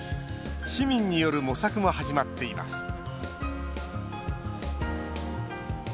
市民による模索も始まっています